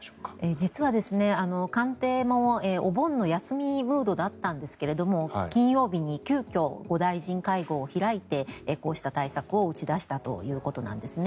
実は、官邸もお盆の休みムードだったんですが金曜日に急きょ５大臣会合を開いてこうした対策を打ち出したということなんですね。